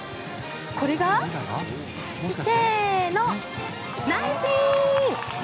これが。せーの、ナイスイン！